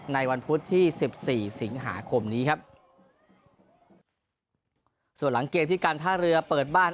ในวันพุธที่สิบสี่สิงหาคมนี้ครับส่วนหลังเกมที่การท่าเรือเปิดบ้าน